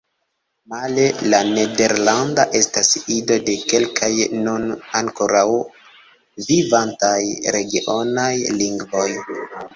Male, la nederlanda estas ido de kelkaj nun ankoraŭ vivantaj regionaj lingvoj.